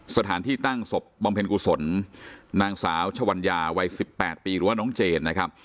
สถานที่ตั้งศพบำเพ็ญกุศลนางสาวชวัญญาวัย๑๘ปีหรือว่าน้องเจนนะครับ